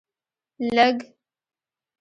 لږ